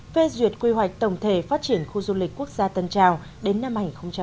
phê duyệt quy hoạch tổng thể phát triển khu du lịch quốc gia tân trào đến năm hai nghìn ba mươi